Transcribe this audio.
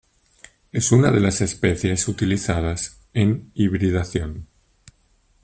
Es una de las especies utilizadas en hibridación.